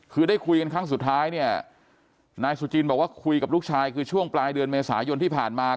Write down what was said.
คือได้คุยกันครั้งสุดท้ายเนี่ยนายสุจินบอกว่าคุยกับลูกชายคือช่วงปลายเดือนเมษายนที่ผ่านมา